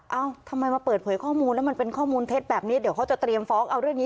ทำไมมาเปิดเผยข้อมูลแล้วมันเป็นข้อมูลเท็จแบบนี้เดี๋ยวเขาจะเตรียมฟ้องเอาเรื่องนี้